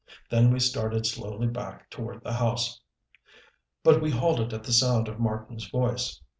Then we started slowly back toward the house. But we halted at the sound of Marten's voice.